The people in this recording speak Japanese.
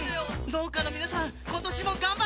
農家の皆さん今年も頑張ったね！